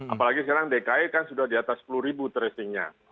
apalagi sekarang dki kan sudah di atas sepuluh ribu tracingnya